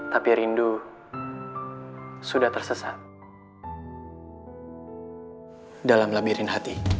tapi rindu sudah tersesat dalam labirin hati